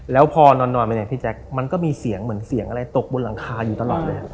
แล้วพอนอนไปเนี่ยพี่แจ๊คมันก็มีเสียงเหมือนเสียงอะไรตกบนหลังคาอยู่ตลอดเลย